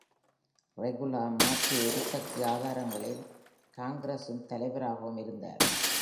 ரெகுலா மாற்று எரிசக்தி ஆதாரங்களில் காங்கிரஸின் தலைவராகவும் இருந்தார்.